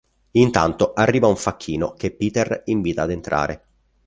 Intanto, arriva un facchino che Peter invita ad entrare.